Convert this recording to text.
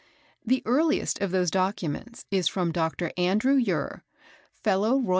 The earliest of those documents is from Dr. Andrew Ure, F.R.S.